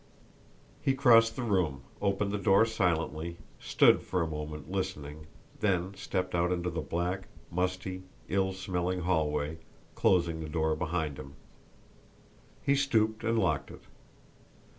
He crossed the room, opened the door silently, stood for a moment listening, then stepped out into the black, musty, ill smelling hallway, closing the door behind him. He stooped and locked it.